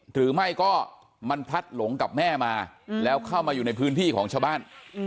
หรือไม่ก็มันพลัดหลงกับแม่มาแล้วเข้ามาอยู่ในพื้นที่ของชาวบ้าน